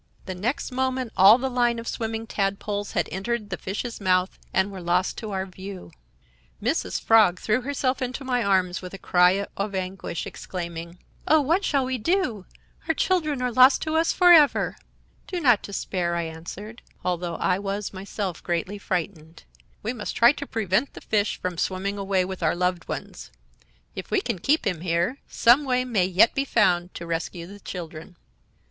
The next moment all the line of swimming tadpoles had entered the fish's mouth and were lost to our view. "Mrs. Frog threw herself into my arms with a cry or anguish, exclaiming: "'Oh, what shall we do? Our children are lost to us forever!' "'Do not despair,' I answered, although I was myself greatly frightened; 'we must try to prevent the fish from swimming away with our loved ones. If we can keep him here, some way may yet be found to rescue the children.'